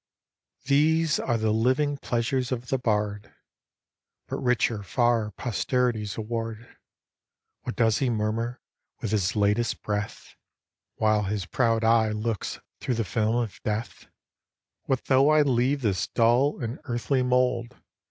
These are the living pleasures of the bard : But richer far posterity's award. What does he murmur with his latest breath, 312 EPISTLE While his proud eye looks through the film of death ?" What though I leave this dull, and earthly mould.